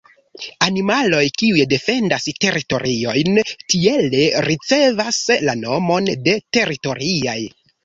Animaloj kiuj defendas teritoriojn tiele ricevas la nomon de teritoriaj.